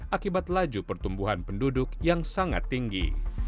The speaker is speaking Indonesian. akibat laju pertumbuhan penduduk yang sangat tinggi